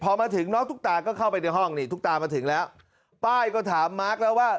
พอมาถึงน้องตุ๊กตาก็เข้าไปในห้องนี่ตุ๊กตามาถึงแล้วป้ายก็ถามมาร์คแล้วว่า